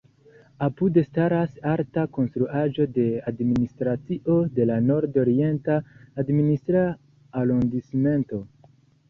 Apude staras alta konstruaĵo de administracio de la Nord-Orienta administra arondismento.